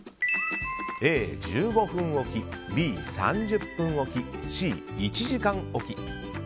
Ａ、１５分おきＢ、３０分おきＣ、１時間おき。